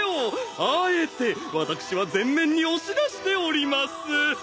あえて私は前面に押し出しております。